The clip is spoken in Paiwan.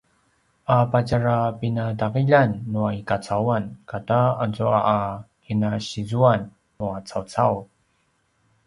a patjarapinatagiljan nua i kacauan kata azua a kinasizuan nua cawcau